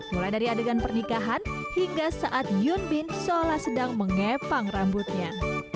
mulai dari adegan pernikahan hingga saat yun bin seolah sedang mengepang rambutnya